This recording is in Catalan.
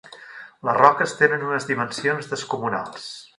Les roques tenen unes dimensions descomunals.